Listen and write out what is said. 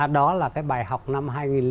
đó là cái bài học năm hai nghìn tám